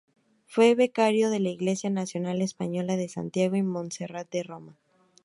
Fue becario de la Iglesia Nacional Española de Santiago y Montserrat de Roma.